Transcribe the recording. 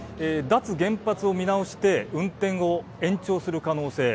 脱原発を見直して運転を延長する可能性。